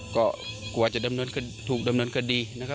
ก็กลัวจะถูกดำเนินคดี